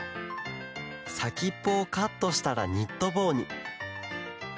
さきっぽをカットしたらニットぼうに。